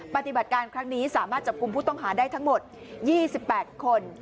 ปฏิบัติการครั้งนี้สามารถจับกลุ่มผู้ต้องหาได้ทั้งหมด๒๘คน